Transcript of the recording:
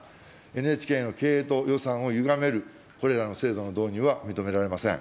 ＮＨＫの経営と予算をゆがめるこれらの制度の導入は認められません。